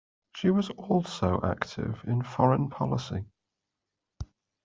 She was also active in foreign policy.